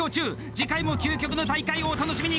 次回も究極の大会をお楽しみに。